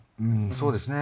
そうですね